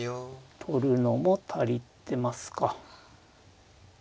取るのも足りてますか。